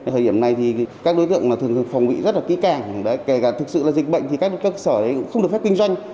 thời điểm này thì các đối tượng thường phòng bị rất là kỹ càng kể cả thực sự là dịch bệnh thì các cơ sở cũng không được phép kinh doanh